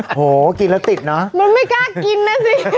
โหกินแล้วติดเนอะมันไม่กล้ากินนะสิ